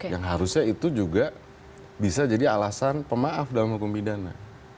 yang harusnya itu juga bisa jadi alasan pemaaf dalam hukum pidana